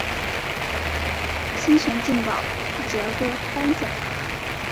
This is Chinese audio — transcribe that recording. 新城劲爆励志儿歌颁奖礼。